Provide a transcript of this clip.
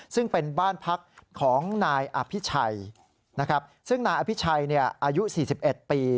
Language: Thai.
ซึ่งเป็นบ้านพักของนายอภิชัยนะครับซึ่งนายอภิชัยอายุ๔๑ปี